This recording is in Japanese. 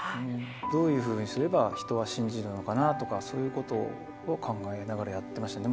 どういうふうにすれば人は信じるのかなとか、そういうことを考えながらやってましたね。